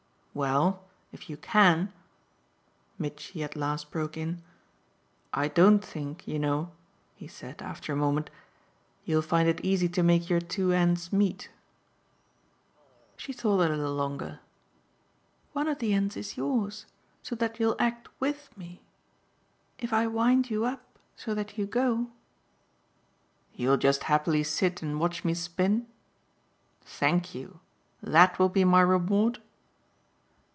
"Well, if you can ?" Mitchy at last broke in. "I don't think, you know," he said after a moment, "you'll find it easy to make your two ends meet." She thought a little longer. "One of the ends is yours, so that you'll act WITH me. If I wind you up so that you go !" "You'll just happily sit and watch me spin? Thank you! THAT will be my reward?"